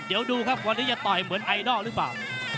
เดี๋ยวดูครับวันนี้จะต่อยเหมือนไอดอลหรือเปล่า